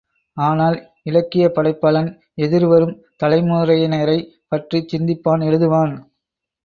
ஆனால் இலக்கியப் படைப்பாளன் எதிர்வரும் தலைமுறையினரைப் பற்றிச் சிந்திப்பான் எழுதுவான்.